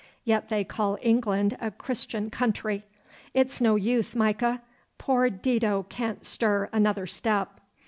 Yet they call England a Christian country! It's no use, Micah. Poor Dido can't stir another step.